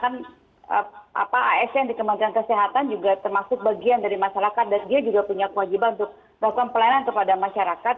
karena kan as yang di kementerian kesehatan juga termasuk bagian dari masyarakat dan dia juga punya kewajiban untuk melakukan pelayanan kepada masyarakat